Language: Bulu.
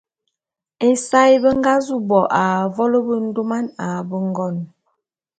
Ésae…be nga zu bo a mvolo bendôman a bengon.